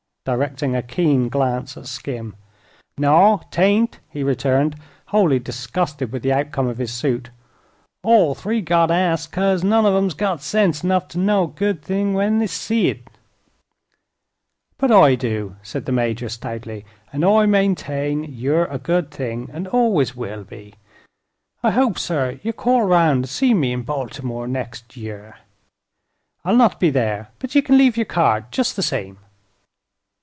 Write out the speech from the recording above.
directing a keen glance at Skim. "Naw, 'tain't," he returned, wholly disgusted with the outcome of his suit. "All three got as't 'cause none of 'em's got sense enough t' know a good thing when they seen it." "But I do," said the Major, stoutly; "and I maintain that you're a good thing, and always will be. I hope, sir, you'll call 'round and see me in Baltimore next year. I'll not be there, but ye can leave your card, just the same."